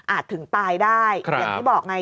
ถึงตายได้อย่างที่บอกไง